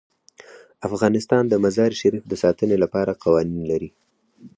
افغانستان د مزارشریف د ساتنې لپاره قوانین لري.